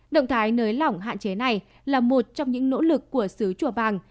động thái nới lỏng hạn chế này là một trong những nỗ lực của xứ chùa bàng